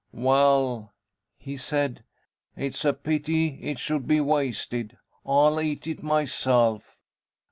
'Well,' he said, 'it's a pity it should be wasted, I'll eat it myself.'